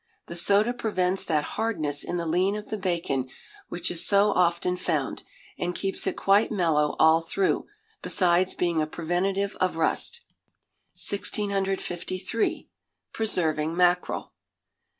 The soda prevents that hardness in the lean of the bacon which is so often found, and keeps it quite mellow all through, besides being a preventive of rust. 1653. Preserving Mackerel.